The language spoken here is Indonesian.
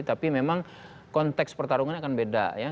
tapi memang konteks pertarungannya akan beda ya